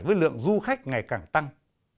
với lượng du khách ngày càng tăng